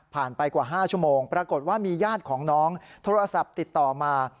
ไปกว่า๕ชั่วโมงปรากฏว่ามีญาติของน้องโทรศัพท์ติดต่อมา